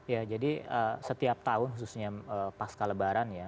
ya jadi setiap tahun khususnya pasca lebaran ya